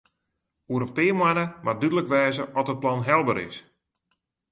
Oer in pear moanne moat dúdlik wêze oft it plan helber is.